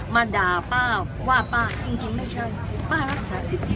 มาด่าป้าว่าป้าจริงไม่ใช่ป้ารักษาสิทธิ